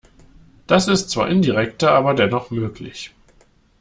Das ist zwar indirekter, aber dennoch möglich.